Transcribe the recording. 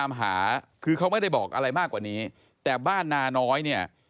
มันมีอะไรมากกว่านี้แต่บ้านนาน้อยเนี่ย